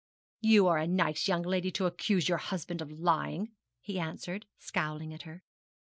'You are a nice young lady to accuse your husband of lying,' he answered, scowling at her.